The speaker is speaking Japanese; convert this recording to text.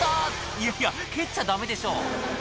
いやいや蹴っちゃダメでしょ